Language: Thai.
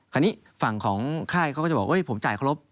คราวนี้ฝั่งของค่ายเขาก็จะบอกว่าผมจ่ายครบ